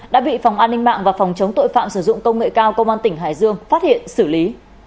đã bị phòng an ninh mạng và phòng chống tội phạm sử dụng công nghệ cao công an tỉnh hải dương phát hiện xử lý